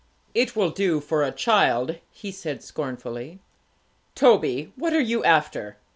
It will do for a child,' he said scornfully. 'Toby, what are you after?